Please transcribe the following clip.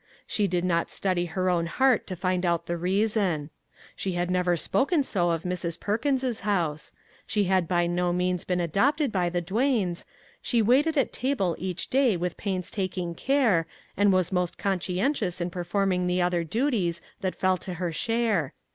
She did not study her own heart to find out the reason. She had never spoken so of Mrs. Perkins's house; she had by no means been adopted by the Duanes; she waited at table each day with painstaking care, and was 338 MAG'S WAGES most conscientious in performing the other du ties that fell to her share.